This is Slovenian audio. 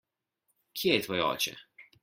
Kje je tvoj oče?